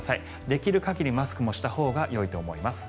できる限りマスクもしたほうがいいと思います。